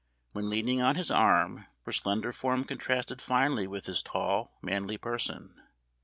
When leaning on his arm, her slender form contrasted finely with his tall, manly person.